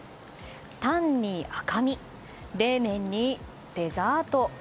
タンに赤身、冷麺にデザート。